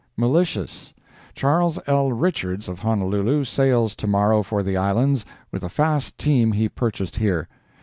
MISCELLANEOUS. Charles L. Richards, of Honolulu, sails tomorrow for the Islands with a fast team he purchased here.